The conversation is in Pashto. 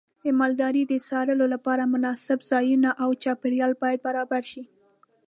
د مالدارۍ د څارویو لپاره مناسب ځایونه او چاپیریال باید برابر شي.